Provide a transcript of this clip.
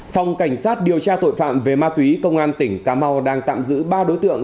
phòng cảnh sát điều tra tội phạm về ma túy công an tỉnh cà mau đang tạm giữ ba đối tượng